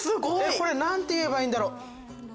これ何て言えばいいんだろ。